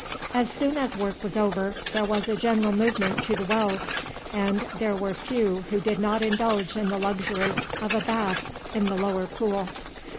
As soon as work was over there was a general movement to the wells, and there were few who did not indulge in the luxury of a bathe in the lower pool.